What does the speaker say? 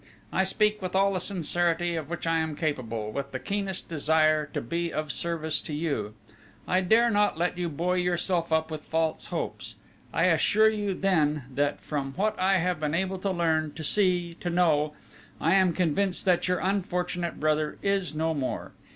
I speak with all the sincerity of which I am capable, with the keenest desire to be of service to you: I dare not let you buoy yourself up with false hopes.... I assure you then, that from what I have been able to learn, to see, to know, I am convinced that your unfortunate brother is no more!...